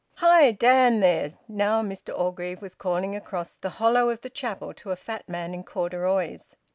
Hi! Dan, there!" Now, Mr Orgreave was calling across the hollow of the chapel to a fat man in corduroys.